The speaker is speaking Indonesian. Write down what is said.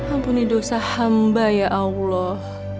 ampuni dosa hamba ya allah